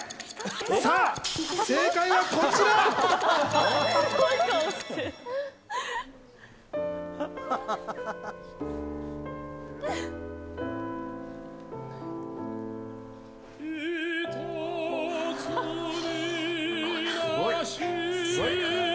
さぁ正解はこちら！